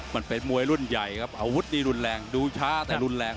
มันเป็นมวยรุ่นใหญ่ครับอาวุธนี่รุนแรงดูช้าแต่รุนแรง